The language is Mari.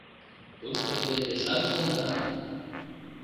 Тушто пеледышат сылнырак.